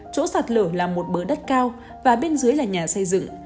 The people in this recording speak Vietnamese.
chỗ sạt lở là một bờ đất cao và bên dưới là nhà xây dựng